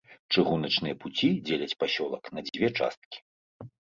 Чыгуначныя пуці дзеляць пасёлак на дзве часткі.